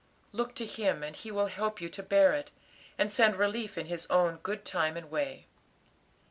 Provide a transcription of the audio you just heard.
Look to Him and he will help you to bear it, and send relief in His own good time and way.